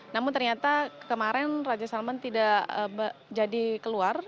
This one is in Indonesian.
namun ternyata kemarin raja salman tidak jadi keluar